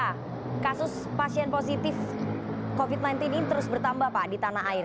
apakah kasus pasien positif covid sembilan belas ini terus bertambah pak di tanah air